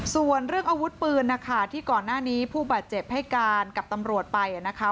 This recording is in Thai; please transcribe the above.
ส่วนเรื่องอาวุธปืนนะคะที่ก่อนหน้านี้ผู้บาดเจ็บให้การกับตำรวจไปนะคะ